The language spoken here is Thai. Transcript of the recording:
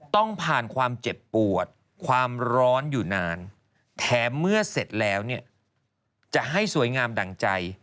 ต้องผ่านความเจ็บปวดความร้อนอยู่นานแถมเมื่อเสร็จแล้วเนี่ยจะให้สวยงามดั่งใจ